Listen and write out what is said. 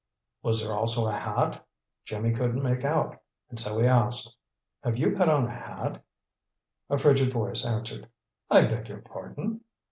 Was there also a hat? Jimmy couldn't make out, and so he asked. "Have you got on a hat?" A frigid voice answered, "I beg your pardon!"